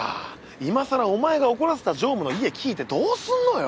今さらお前が怒らせた常務の家聞いてどうすんのよ？